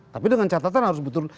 tapi dengan catatan harus betul